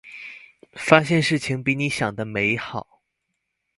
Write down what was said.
發現事情比你想的美好